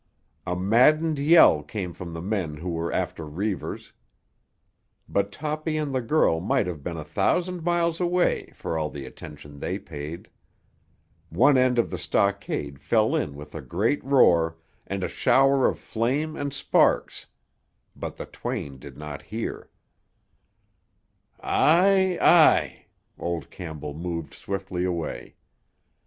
A maddened yell came from the men who were after Reivers. But Toppy and the girl might have been a thousand miles away for all the attention they paid. One end of the stockade fell in with a great roar and a shower of flame and sparks; but the twain did not hear. "Aye, aye!" Old Campbell moved swiftly away.